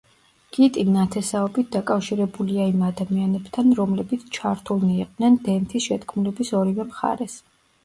კიტი ნათესაობით დაკავშირებულია იმ ადამიანებთან, რომლებიც ჩართულნი იყვნენ დენთის შეთქმულების ორივე მხარეს.